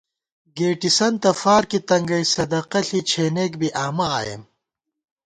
گېٹِسَنتہ فارکی تنگَئ، صدقہ ݪی، چھېنېک بی آمہ آئېم